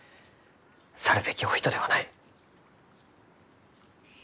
去るべきお人ではない。